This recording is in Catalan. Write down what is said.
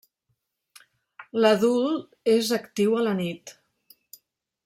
L'adult és actiu la nit.